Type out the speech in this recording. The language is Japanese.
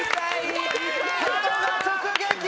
角が直撃！